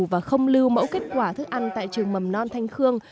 và không lưu mẫu kết quả thức ăn tại trường mầm non thanh khương